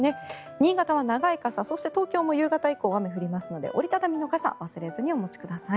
新潟は長い傘そして東京も夕方以降雨が降りますので、折り畳み傘を忘れずにお持ちください。